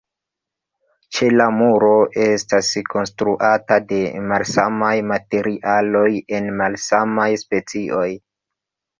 Ĉela muro estas konstruata de malsamaj materialoj en malsamaj specioj.